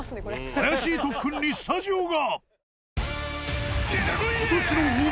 ［怪しい特訓にスタジオが］